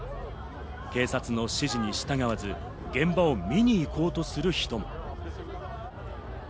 警察の指示に従わず、現場を見に行こうとする人も。